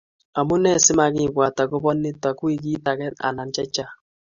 amunee si makibwat akobo nitok wikit age anan chechang'